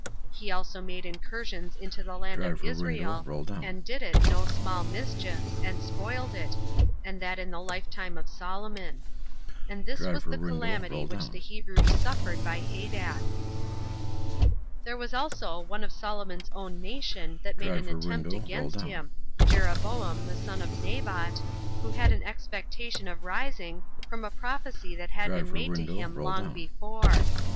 He also made incursions into the land of Israel, and did it no small mischief, and spoiled it, and that in the lifetime of Solomon. And this was the calamity which the Hebrews suffered by Hadad. 7. There was also one of Solomon's own nation that made an attempt against him, Jeroboam the son of Nebat, who had an expectation of rising, from a prophecy that had been made to him long before.